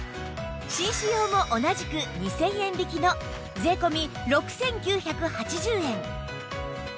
紳士用も同じく２０００円引きの税込６９８０円